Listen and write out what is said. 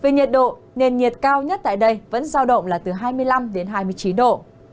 nền nhiệt cao nhất tại đây vẫn giao động là từ hai mươi năm đến hai mươi chín độ